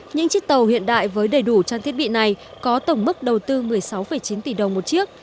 những chiếc tàu hiện đại với đầy đủ trang thiết bị này có tổng mức đầu tư một mươi sáu chín tỷ đồng một chiếc